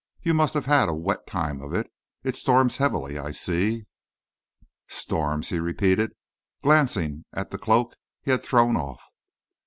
"You must have had a wet time of it; it storms heavily, I see." "Storms?" he repeated, glancing at the cloak he had thrown off.